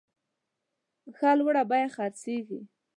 ښه لوړه بیه خرڅیږي.